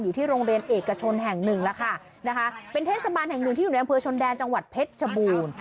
อยู่ที่โรงเรียนเอกชนแห่งหนึ่งแล้วค่ะนะคะเป็นเทศบาลแห่งหนึ่งที่อยู่ในอำเภอชนแดนจังหวัดเพชรชบูรณ์